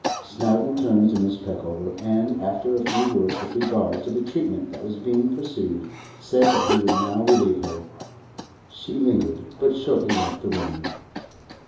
Snowdon turned to Mrs. Peckover, and, after a few words with regard to the treatment that was being pursued, said that he would now relieve her; she lingered, but shortly left the room.